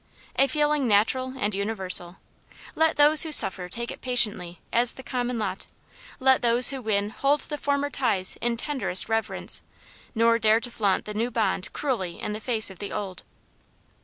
A feeling natural and universal. Let those who suffer take it patiently, as the common lot; let those who win hold the former ties in tenderest reverence, nor dare to flaunt the new bond cruelly in the face of the old.